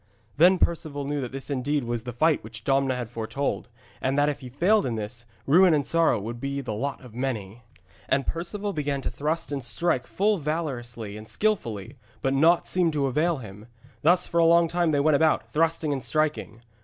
Then Perceval knew that this indeed was the fight which Domna had foretold, and that if he failed in this, ruin and sorrow would be the lot of many. And Perceval began to thrust and strike full valorously and skilfully, but naught seemed to avail him. Thus for a long time they went about, thrusting and striking.